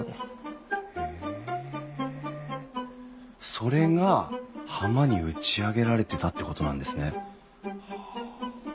それが浜に打ち上げられてたってことなんですね。